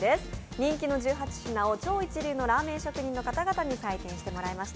人気の１８品を超一流のラーメン職人の方々に採点してもらいました。